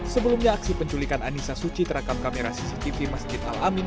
sebelumnya aksi penculikan anissa suci terekam kamera cctv masjid al amin